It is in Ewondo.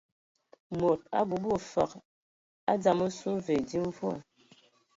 Mod a bobo fəg e dzam osu, və e dzi mvua.